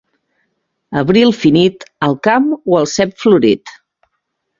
Abril finit, el camp o el cep florit.